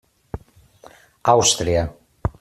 Àustria.